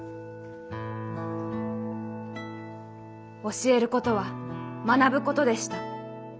「教えることは学ぶことでした。